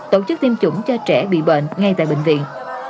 tổ chức tiêm chủng cho trẻ bị bệnh ngay tại bệnh viện